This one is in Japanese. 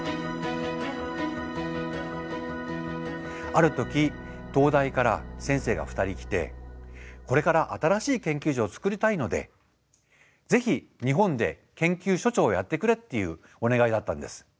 ある時東大から先生が２人来てこれから新しい研究所を作りたいのでぜひ日本で研究所長をやってくれっていうお願いがあったんです。